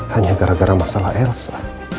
hanya gara gara masalah elsa